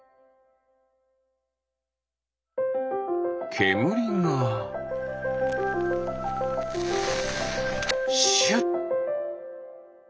けむりがシュッ。